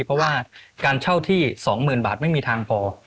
เพราะว่าการเช่าที่๒๐๐๐บาทไม่มีทางพอ